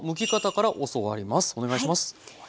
お願いします。